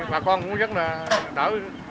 bà con cũng rất là đỡ